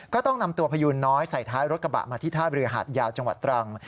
ก็ต้องนำตัวพยูนน้อยใส่ท้ายรถกระบะมาที่ท่าเรือหาดยาวจังหวัดตรัง